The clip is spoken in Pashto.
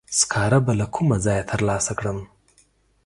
سکاره به له کومه ځایه تر لاسه کړم؟